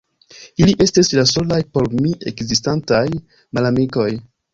Ili estis la solaj por mi ekzistantaj malamikoj.